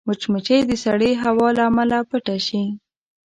مچمچۍ د سړې هوا له امله پټه شي